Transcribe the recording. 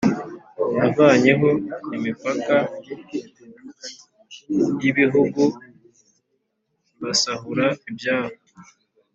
Navanyeho imipaka y’ibihugu mbasahura ibyabo,